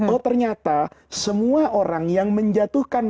oh ternyata semua orang yang menjatuhkan